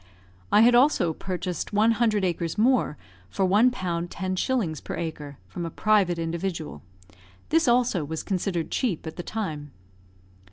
I had also purchased one hundred acres more for 1 pound 10s. per acre, from a private individual; this also was considered cheap at the time.